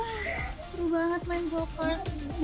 seru banget main go kart